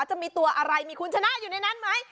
จะมีตัวอะไรมีคุณชนะอยู่ในนั้นไหม